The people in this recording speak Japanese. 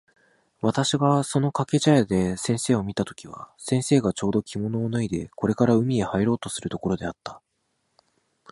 私（わたくし）がその掛茶屋で先生を見た時は、先生がちょうど着物を脱いでこれから海へ入ろうとするところであった。